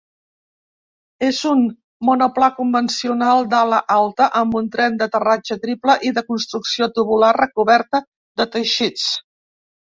És un monoplà convencional d'ala d'alta amb un tren d'aterratge triple i de construcció tubular recoberta de teixits.